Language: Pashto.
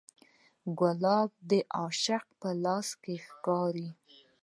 ګلاب د عاشق لاس کې ښکاري.